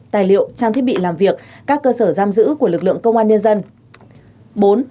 tài liệu trang thiết bị làm việc các cơ sở giam giữ của lực lượng công an nhân dân